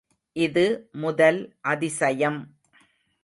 இது முதல் அதிசயம்!